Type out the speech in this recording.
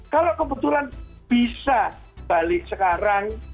kalau kebetulan bisa balik sekarang